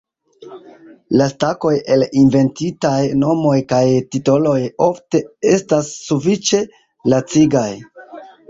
La stakoj el inventitaj nomoj kaj titoloj ofte estas sufiĉe lacigaj.